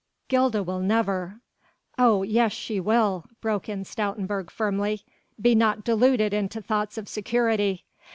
"Gilda will never...." "Oh, yes, she will," broke in Stoutenburg firmly; "be not deluded into thoughts of security.